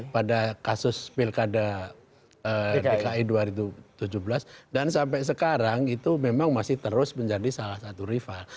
pada kasus pilkada dki dua ribu tujuh belas dan sampai sekarang itu memang masih terus menjadi salah satu rival